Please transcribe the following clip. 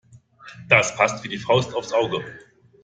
Das passt wie die Faust aufs Auge.